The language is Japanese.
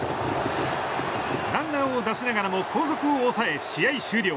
ランナーを出しながらも後続を抑え試合終了。